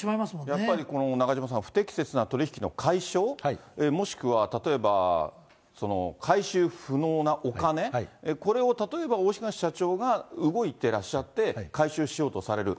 やっぱり中島さん、不適切な取り引きの解消、もしくは例えば、回収不能なお金、これを例えば大東社長が動いてらっしゃって回収しようとされる。